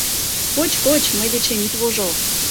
— Коч, коч, мый дечем ит вожыл...